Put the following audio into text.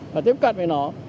và tiếp cận với nó